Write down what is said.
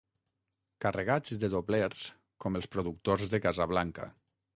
Carregats de doblers com els productors de Casablanca.